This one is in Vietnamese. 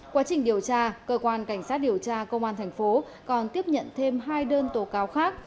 quá trình điều tra cơ quan cảnh sát điều tra công an thành phố còn tiếp nhận thêm hai đơn tố cáo khác